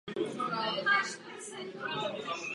Ke kostelu náležel ve středověku hřbitov.